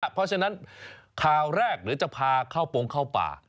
เพราะฉะนั้นข่าวแรกหรือจะพาเข้าโปรงเข้าป่า